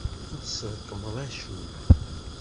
Ur tesrekmeḍ acemma.